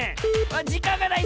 じかんがない！